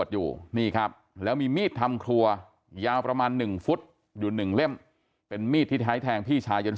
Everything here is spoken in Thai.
ยาวประมาณหนึ่งฟุตอยู่หนึ่งเล่มเป็นมีดที่ท้ายแทงพี่ชายยัง